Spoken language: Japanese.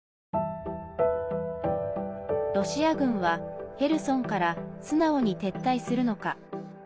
ロシア軍はヘルソンから素直に撤退するのか。